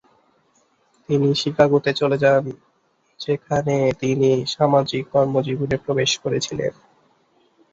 তিনি শিকাগোতে চলে যান, যেখানে তিনি সামাজিক কর্মজীবনে প্রবেশ করেছিলেন।